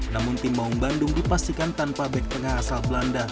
namun tim maung bandung dipastikan tanpa back tengah asal belanda